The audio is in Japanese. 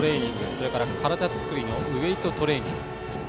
それから、体作りのウエイトトレーニング。